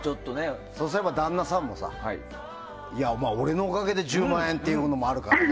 そうすれば旦那さんも俺のおかげで１０万円っていうのもあるからね。